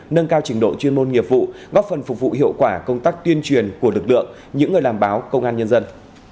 nâng cao trình độ chuyên môn nghiệp vụ góp phần phục vụ hiệu quả công tác tuyên truyền của lực lượng những người làm báo công an nhân dân